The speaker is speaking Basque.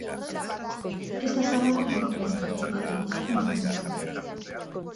Ez da zabaldu bahituen jatorriari buruzko informaziorik.